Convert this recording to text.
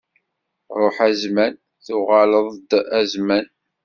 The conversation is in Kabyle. Ṛuḥ a zzman, tuɣaleḍ-d a zzman!